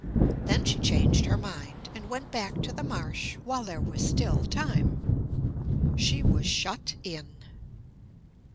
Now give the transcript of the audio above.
Then she changed her mind, and went back to the marsh while there was still time. She was shut in!